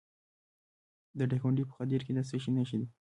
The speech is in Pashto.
د دایکنډي په خدیر کې د څه شي نښې دي؟